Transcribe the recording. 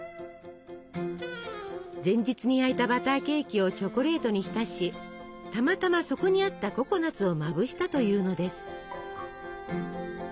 前日に焼いたバターケーキをチョコレートに浸したまたまそこにあったココナツをまぶしたというのです。